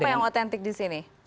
apa yang otentik di sini